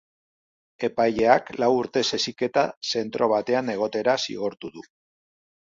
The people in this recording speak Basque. Epaileak lau urtez heziketa zentro batean egotera zigortu du.